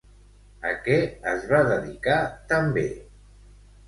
A què es va dedicar també?